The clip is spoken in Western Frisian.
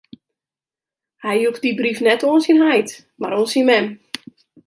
Hy joech dy brief net oan syn heit, mar oan syn mem.